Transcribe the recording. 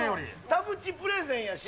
田渕プレゼンやし。